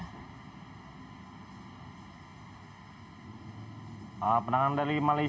nah saya jauh juga benar benar